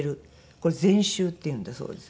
これ全周っていうんだそうです。